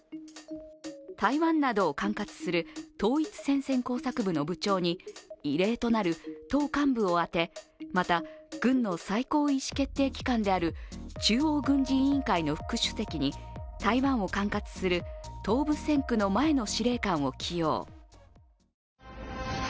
台湾などを管轄する統一戦線工作部の部長に、異例となる党幹部をあてまた軍の最高意思決定機関である中央軍事委員会の副主席に台湾を管轄する東部戦区の前の司令官を起用。